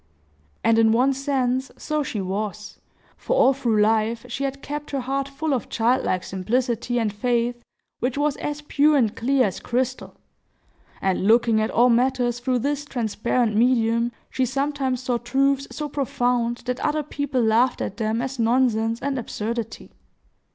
And in one sense so she was, for all through life she had kept her heart full of childlike simplicity and faith, which was as pure and clear as crystal; and, looking at all matters through this transparent medium, she sometimes saw truths so profound that other people laughed at them as nonsense and absurdity.